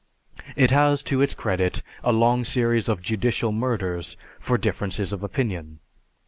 It has to its credit a long series of judicial murders for differences of opinion.